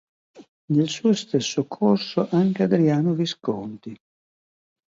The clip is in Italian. Nel suo stesso corso anche Adriano Visconti.